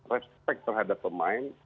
respect terhadap pemain